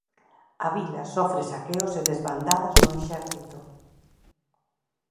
A vila sofre saqueos e desbandadas no exército.